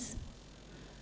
saya tidak mau